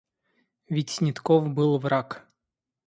Ведь Снетков был враг.